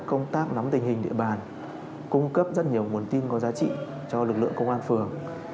công tác nắm tình hình địa bàn cung cấp rất nhiều nguồn tin có giá trị cho lực lượng công an phường